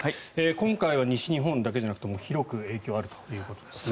今回は西日本だけじゃなくて広く影響があるということですね。